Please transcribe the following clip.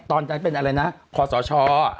ตอนนั้นเป็นอะไรนะคอสช